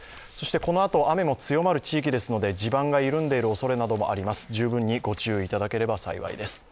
このあと雨も強まる地域ですので地盤が緩んでいる恐れなどもあります、十分に注意していただければ幸いです。